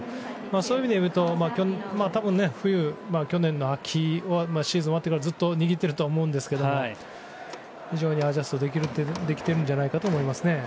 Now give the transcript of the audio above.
そういう意味でいうと多分、去年の秋シーズン終わってからずっと握ってると思うんですけど非常にアジャストできてるんじゃないかと思いますね。